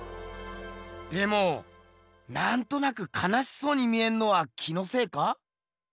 でもなんとなくかなしそうに見えんのは気のせいか？